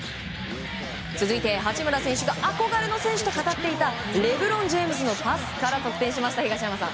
続いて、八村選手が憧れの選手と語っていたレブロン・ジェームズのパスから得点しました、東山さん。